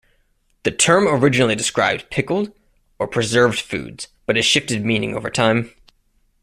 The term originally described pickled or preserved foods, but has shifted meaning over time.